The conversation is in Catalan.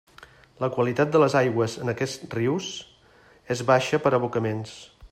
La qualitat de les aigües en aquests rius és baixa per abocaments.